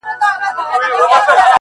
o يوه کډه د بلي کډي زړه کاږي.